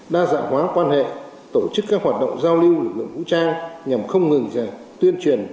đa dạng hóa quan hệ tổ chức các hoạt động giao lưu lực lượng vũ trang nhằm không ngừng tuyên truyền